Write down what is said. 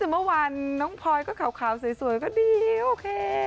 คือเมื่อวานน้องพลอยก็ขาวสวยก็ดีโอเค